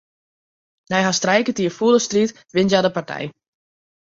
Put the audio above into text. Nei hast trije kertier fûle striid wint hja de partij.